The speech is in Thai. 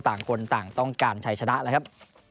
ต่างคนต่างต้องการใช้ชนะแล้วครับ